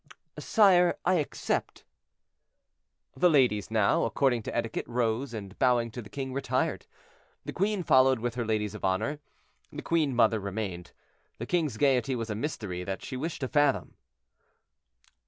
"Sire, I accept." The ladies now, according to etiquette, rose, and, bowing to the king, retired. The queen followed with her ladies of honor. The queen mother remained: the king's gayety was a mystery that she wished to fathom.